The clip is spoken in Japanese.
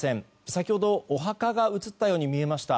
先ほど、お墓が映ったように見えました。